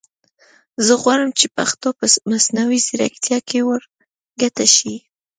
زه غواړم چې پښتو په مصنوعي زیرکتیا کې ور ګډه شي